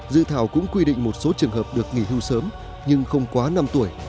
dự thảo cũng quy định một số trường hợp được nghỉ hưu sớm nhưng không quá năm tuổi